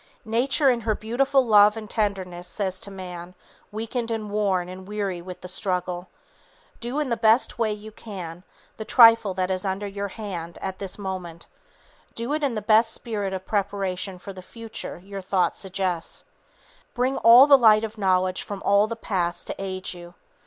Nature in her beautiful love and tenderness, says to man, weakened and worn and weary with the struggle, "Do in the best way you can the trifle that is under your hand at this moment; do it in the best spirit of preparation for the future your thought suggests; bring all the light of knowledge from all the past to aid you.